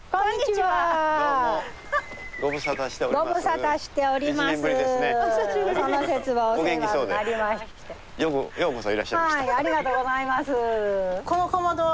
はい。